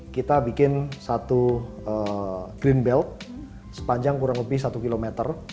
kita membuat satu greenbelt sepanjang kurang lebih satu km